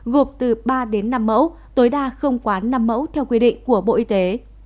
gộp từ ba đến năm mẫu tối đa không quá năm mẫu theo quy định của bộ y tế